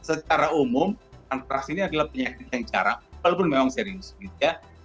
secara umum antraks ini adalah penyakit yang jarang walaupun memang serius gitu ya